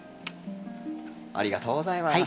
ありがとうございます。